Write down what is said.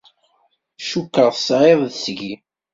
cukkeɣ teɛyiḍ seg-i.